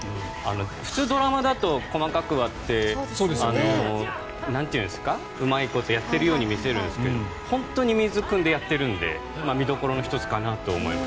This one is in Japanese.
普通、ドラマだと細かく割ってなんというんですかうまいことやっているように見せるんですけど本当に水をくんでやっているので見どころの１つかなと思います。